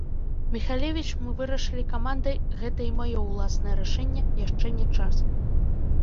Міхалевіч, мы вырашылі камандай, гэта і маё ўласнае рашэнне, яшчэ не час.